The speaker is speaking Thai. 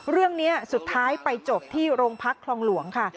เรื่องนี้สุดท้ายไปจบที่โรงพักคลองหลวงค่ะ